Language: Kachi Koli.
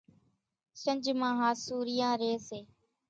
شنجھ مان ۿاسُوريان ريئيَ سي۔